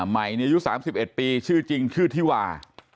ใหม่อายุ๓๑ปีชื่อจริงชื่อที่วา